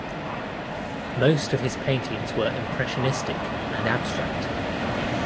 Most of his paintings were impressionistic and abstract.